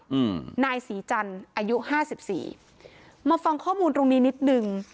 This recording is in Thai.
อืมนายศรีจันทร์อายุห้าสิบสี่มาฟังข้อมูลตรงนี้นิดหนึ่ง